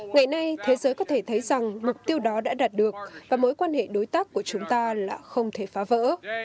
ngày nay thế giới có thể thấy rằng mục tiêu đó đã đạt được và mối quan hệ đối tác của chúng ta là không thể phá vỡ